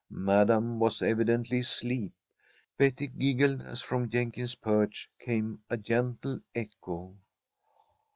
Madam was evidently asleep. Betty giggled, as from Jenkins's perch came a gentle echo.